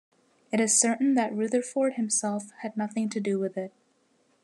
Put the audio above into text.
It is certain that Rutherford himself had nothing to do with it.